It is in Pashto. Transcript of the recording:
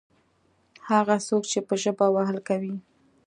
هغه څوک چې په ژبه وهل کوي.